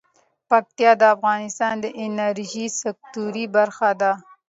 پکتیکا د افغانستان د انرژۍ سکتور برخه ده.